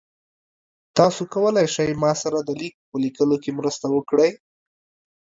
تاسو کولی شئ ما سره د لیک په لیکلو کې مرسته وکړئ؟